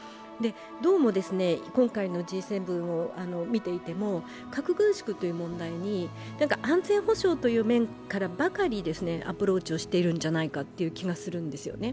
どうも今回のＧ７を見ていても核軍縮という問題に安全保障という面からばかりアプローチをしているんじゃないかという気がしているんですね。